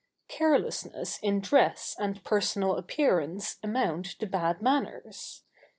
Carelessness in dress and personal appearance amount to bad manners.